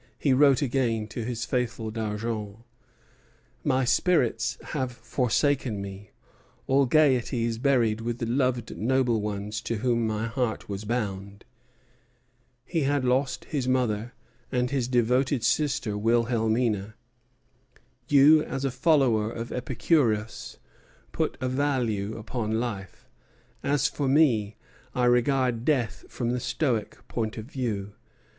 he wrote again to his faithful D'Argens. "My spirits have forsaken me; all gayety is buried with the loved noble ones to whom my heart was bound." He had lost his mother and his devoted sister Wilhelmina. "You as a follower of Epicurus put a value upon life; as for me, I regard death from the Stoic point of view.